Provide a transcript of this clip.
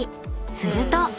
すると］